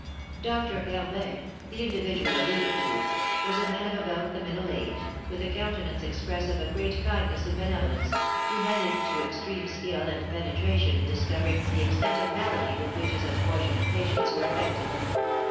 Doctor Herbin, the individual alluded to, was a man of about the middle age, with a countenance expressive of great kindness and benevolence, united to extreme skill and penetration in discovering the extent of malady with which his unfortunate patients were affected.